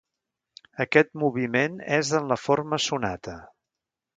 Aquest moviment és en la forma sonata.